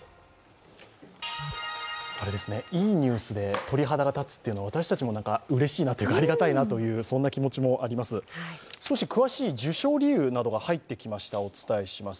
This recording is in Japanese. いいニュースで鳥肌が立つっていうのは私たちもうれしいなというかありがたいという気持ちもあります。